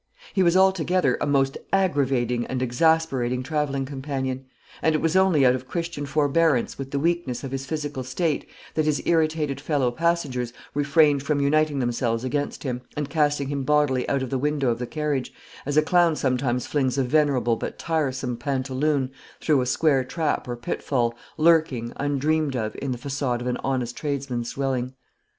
He was, altogether, a most aggravating and exasperating travelling companion; and it was only out of Christian forbearance with the weakness of his physical state that his irritated fellow passengers refrained from uniting themselves against him, and casting him bodily out of the window of the carriage; as a clown sometimes flings a venerable but tiresome pantaloon through a square trap or pitfall, lurking, undreamed of, in the façade of an honest tradesman's dwelling.